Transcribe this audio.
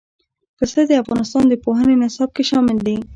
پسه د افغانستان د پوهنې نصاب کې شامل دي.